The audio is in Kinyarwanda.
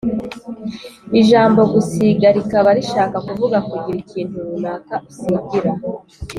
– Ijambo gusiga, rikaba rishaka kuvuga kugira ikintu runaka usigira